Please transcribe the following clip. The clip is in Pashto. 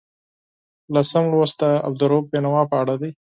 لسم لوست د عبدالرؤف بېنوا په اړه دی.